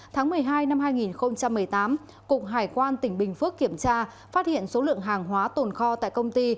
tháng một mươi hai năm hai nghìn một mươi tám cục hải quan tỉnh bình phước kiểm tra phát hiện số lượng hàng hóa tồn kho tại công ty